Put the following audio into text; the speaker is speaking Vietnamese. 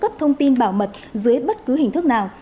không có thông tin bảo mật dưới bất cứ hình thức nào